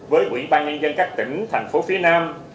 với quỹ ban nhân dân các tỉnh thành phố phía nam